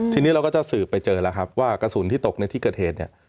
ทีนี้เราก็จะสืบไปเจอแล้วครับว่ากระสุนที่ตกในที่เกิดเหตุเนี่ย